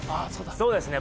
そうですね